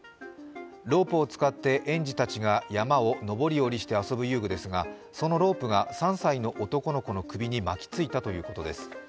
ロープを使って園児たちが山を登り降りして遊ぶ遊具ですがそのロープが３歳の男の子の首に巻き付いたということです。